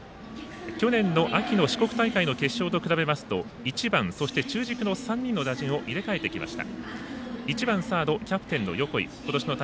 去年秋の四国大会の決勝と比べますと１番、中軸の３人の打順を入れ替えてきました。